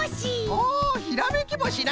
おおひらめきぼしな！